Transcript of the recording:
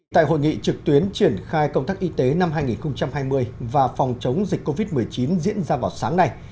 tại hội nghị trực tuyến triển khai công tác y tế năm hai nghìn hai mươi và phòng chống dịch covid một mươi chín diễn ra vào sáng nay